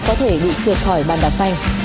có thể bị trượt khỏi bàn đạp phanh